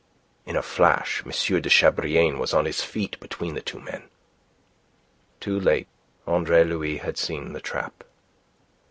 In a flash M. de Chabrillane was on his feet, between the two men. Too late Andre Louis had seen the trap.